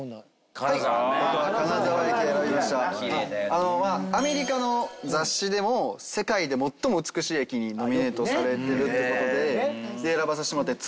あのアメリカの雑誌でも世界で最も美しい駅にノミネートされてるって事で選ばせてもらって。